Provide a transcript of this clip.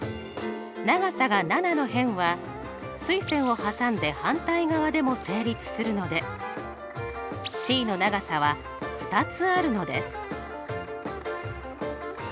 長さが７の辺は垂線を挟んで反対側でも成立するのでｃの長さは２つあるのです。